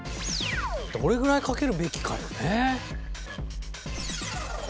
どれぐらい賭けるべきかよね。